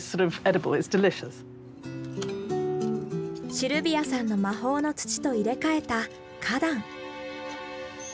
シルビアさんの魔法の土と入れかえた花壇。